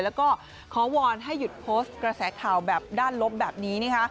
แล้วก็ขอวอนให้หยุดโพสต์กระแสข่าวแบบด้านลบแบบนี้นะคะ